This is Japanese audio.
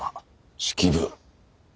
式部